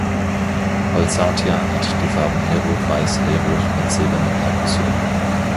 Holsatia hat die Farben hellrot-weiß-hellrot mit silberner Perkussion.